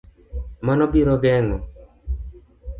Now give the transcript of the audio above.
Mano biro geng'o